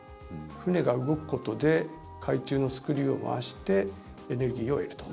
船が動くことで海中のスクリューを回してエネルギーを得ると。